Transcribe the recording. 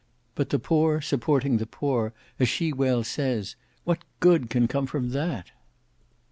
But the poor supporting the poor, as she well says, what good can come from that!"